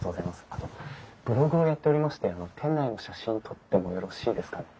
あとブログをやっておりまして店内の写真撮ってもよろしいですかね？